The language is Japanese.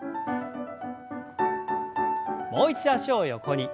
もう一度脚を横に。